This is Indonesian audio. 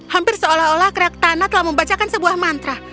hampir seolah olah keraktanah telah membacakan sebuah mantra